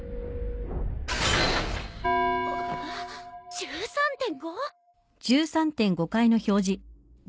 １３．５！？